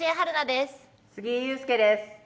杉井勇介です。